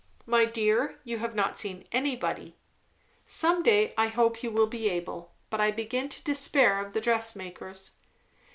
"My dear, you have not seen anybody. Some day I hope you will be able; but I begin to despair of the dress makers."